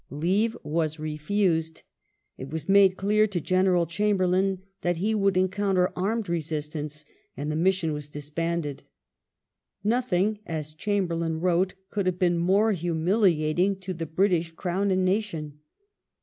I^eave was refused : it was made clear to General Chamberlain that he would encounter armed resistance, and the mission was disbanded. Nothing," as Chamberlain wrote, " could have been more humiliating to the British Crown and nation."